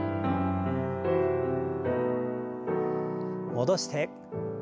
戻して。